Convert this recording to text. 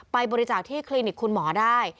ไปบริจาคที่คลินิกคุณหมอได้